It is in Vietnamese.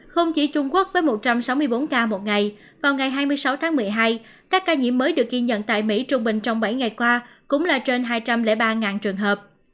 không chỉ trung quốc với một trăm sáu mươi bốn ca một ngày vào ngày hai mươi sáu tháng một mươi hai các ca nhiễm mới được ghi nhận tại mỹ trung bình trong bảy ngày qua cũng là trên hai trăm linh ba trường hợp